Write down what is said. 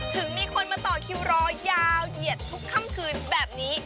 ถึงมีคนมาต่อคิวรอยาวเหยียดทุกค่ำคืนแบบนี้